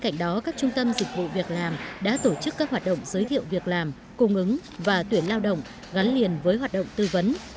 cạnh đó các trung tâm dịch vụ việc làm đã tổ chức các hoạt động giới thiệu việc làm cung ứng và tuyển lao động gắn liền với hoạt động tư vấn